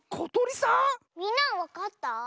みんなはわかった？